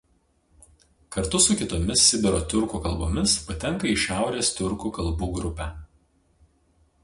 Kartu su kitomis Sibiro tiurkų kalbomis patenka į šiaurės tiurkų kalbų grupę.